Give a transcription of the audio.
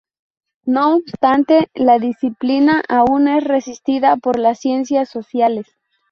No obstante, la disciplina aún es resistida por las ciencias sociales.